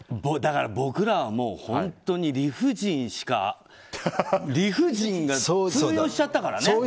だから僕らは本当に理不尽が通用しちゃったからね。